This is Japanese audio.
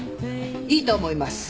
いいと思います。